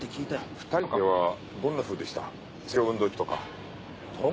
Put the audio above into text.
２人の関係はどんなふうでした？